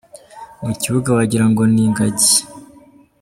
Mu kibuga wagira ngo ni ingagi.